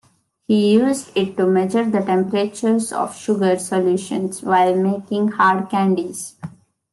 He used it to measure the temperatures of sugar solutions while making hard candies.